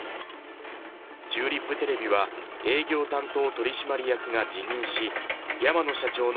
チューリップテレビは営業担当取締役が辞任し、山野社長の